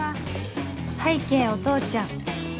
拝啓お父ちゃん